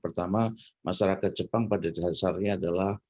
pertama masyarakat jepang pada dasarnya adalah